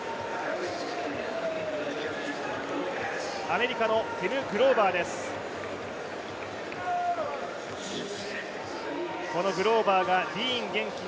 アメリカのティム・グローバーです